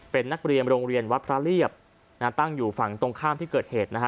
เป็นนักเรียนโรงเรียนวัดพระเรียบตั้งอยู่ฝั่งตรงข้ามที่เกิดเหตุนะฮะ